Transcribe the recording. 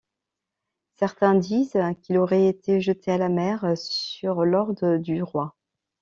Certains disent qu'il aurait été jeté à la mer sur l'ordre du roi.